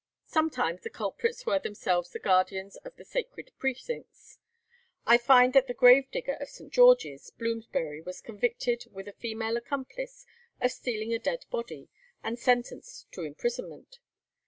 Sometimes the culprits were themselves the guardians of the sacred precincts. I find that the grave digger of St. George's, Bloomsbury, was convicted, with a female accomplice, of stealing a dead body, and sentenced to imprisonment.